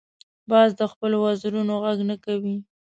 باز د خپلو وزرونو غږ نه کوي